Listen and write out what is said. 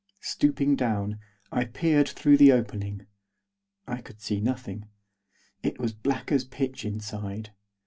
Stooping down, I peered through the opening. I could see nothing. It was black as pitch inside.